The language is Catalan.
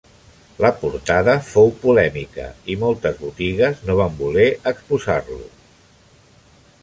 La portada fou polèmica i moltes botigues no van voler exposar-lo.